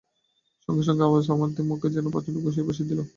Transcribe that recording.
সঙ্গে সঙ্গে সেই আওয়াজ আমার মুখে যেন প্রচণ্ড ঘুষি বসিয়ে দিল।